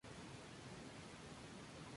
El fruto es una drupa, parecida a una oscura uva.